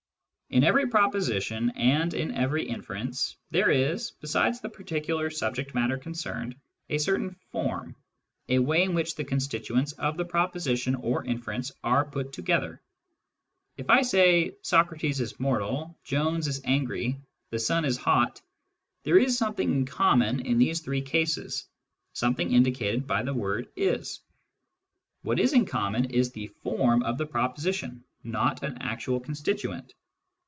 In every proposition and in every inference there is, ' besides the particular subject matter concerned, a certain formy a way in which the constituents of the proposition or , inference are put together. If I say, " Socrates is mortal," "Jones is angry," "The sun is hot," there is some thing in common in these three cases, something indicated by the word " is." What is in common is thtform of the proposition, not an actual constituent.